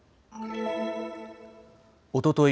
おととい